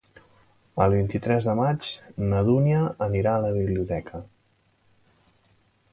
El vint-i-tres de maig na Dúnia anirà a la biblioteca.